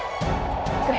kita harus berubah